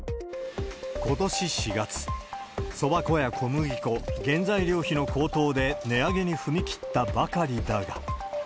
ことし４月、そば粉や小麦粉、原材料費の高騰で値上げに踏み切ったばかりだが。